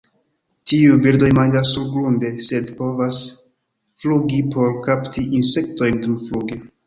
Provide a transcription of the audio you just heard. Tiuj birdoj manĝas surgrunde, sed povas flugi por kapti insektojn dumfluge.